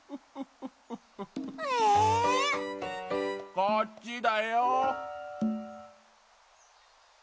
こっちだよ。